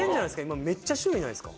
今めっちゃ種類ないですか？